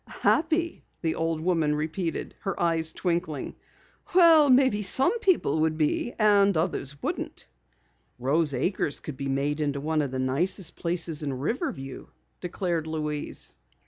"Happy?" the old lady repeated, her eyes twinkling. "Well, maybe some people would be, and others wouldn't." "Rose Acres could be made into one of the nicest places in Riverview," declared Louise.